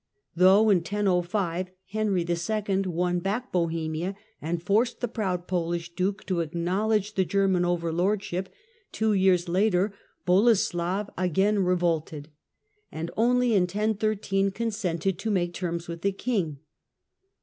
Though in 1005 Henry II. won back Bohemia and forced the proud Polish duke to acknowledge the German overlordship, two years later Boleslav again revolted, and only in 1013 consented to make terms with the king.